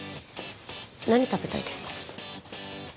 何食べたいですか？